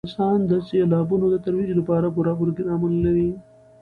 افغانستان د سیلابونو د ترویج لپاره پوره پروګرامونه لري.